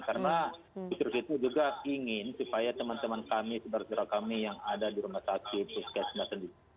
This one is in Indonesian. karena bukit tugas juga ingin supaya teman teman kami saudara saudara kami yang ada di rumah sakit